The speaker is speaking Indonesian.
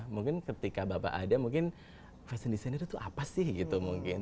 mungkin ketika bapak ada mungkin fashion desainer itu apa sih gitu mungkin